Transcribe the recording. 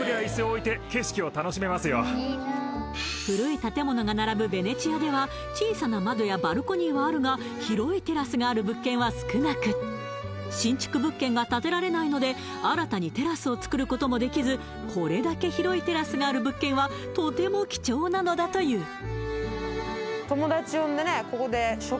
古い建物が並ぶヴェネチアでは小さな窓やバルコニーはあるが広いテラスがある物件は少なく新築物件が建てられないので新たにテラスを作ることもできずこれだけ広いテラスがある物件はとても貴重なのだという